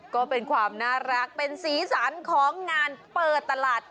ก็เป็นความน่ารักเป็นสีสันของงานเปิดตลาด